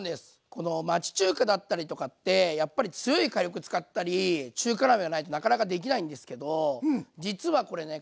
この町中華だったりとかってやっぱり強い火力使ったり中華鍋がないとなかなかできないんですけど実はこれね